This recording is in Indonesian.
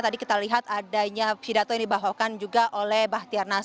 tadi kita lihat adanya pidato yang dibahokan juga oleh bahtian